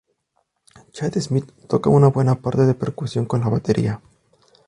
Chad Smith toca una buena parte de percusión con la batería.